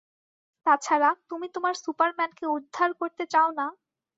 তাছাড়া, তুমি তোমার সুপারম্যানকে উদ্ধার করতে চাও না?